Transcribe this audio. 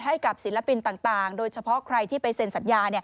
ศิลปินต่างโดยเฉพาะใครที่ไปเซ็นสัญญา